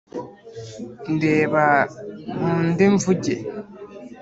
Ndeba nkunde mvuge